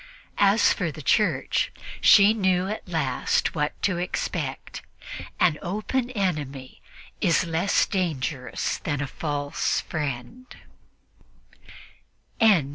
As for the Church, she knew at least what she had to expect; an open enemy is less dangerous than a false friend.